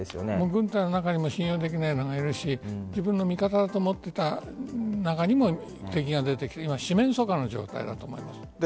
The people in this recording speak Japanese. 軍隊の中にも信用できないのがいるし自分の味方だと思っていた中にも敵が出てきて四面楚歌の状態だと思います。